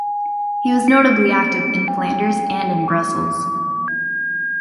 He was notably active in Flanders and in Brussels.